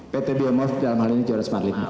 pt biomorph dalam hal ini johannes marlim